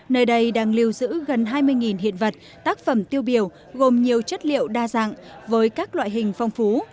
nơi đây đang lưu giữ gần hai mươi hiện vật tác phẩm tiêu biểu gồm nhiều chất liệu đa dạng với các loại hình phong phú